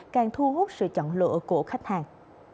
càng thu hút sự chọn lựa của khách hàng